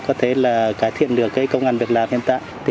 có thể là cải thiện được cái công an việc làm hiện tại